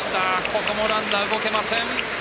ここもランナー動けません。